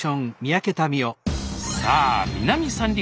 さあ南三陸